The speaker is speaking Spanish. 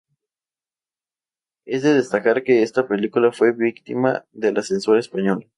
Es de destacar que esta película fue víctima de la censura española.